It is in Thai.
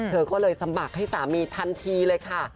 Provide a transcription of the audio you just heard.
เธอก็เลยสมัครให้สามีทันทีเลยค่ะ